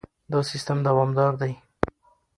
دا سیستم دوامدار دی.